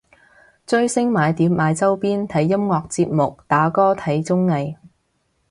追星買碟買周邊睇音樂節目打歌睇綜藝